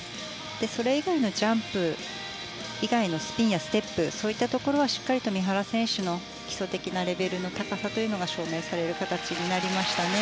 それ以外、ジャンプ以外のスピンやステップそういったところはしっかりと三原選手の基礎的なレベルの高さが証明される形になりましたね。